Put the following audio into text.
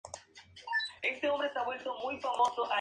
Sin embargo, finalmente confesó las ubicaciones de las gemas.